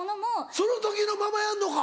その時のままやんのか。